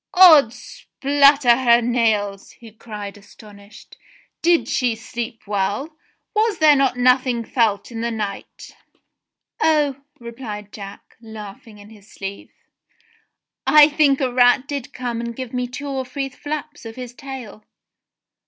"Odds splutter hur nails!" he cried astonished. "Did she sleep well ? Was there not nothing felt in the night .?" 84 JACK THE GIANT KILLER 85 "Oh," replied Jack, laughing in his sleeve, "I think a rat did come and give me two or three flaps of his tail."